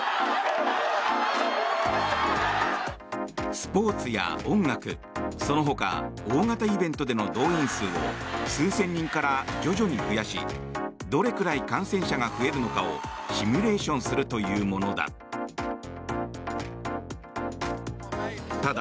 スポーツや音楽、そのほか大型イベントでの動員数を数千人から徐々に増やしどれくらい感染者が増えるのかをシミュレーションするというものだ。